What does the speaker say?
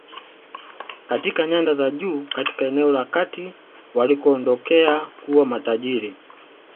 Katika nyanda za juu katika eneo la kati walikoondokea kuwa matajiri